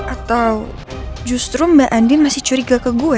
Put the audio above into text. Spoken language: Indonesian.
atau justru mbak andin masih curiga ke gue